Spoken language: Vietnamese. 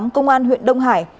công an huyện đông hải